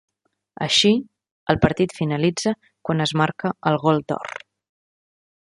Així, el partit finalitza quan es marca el gol d'or.